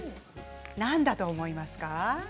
何だと思いますか？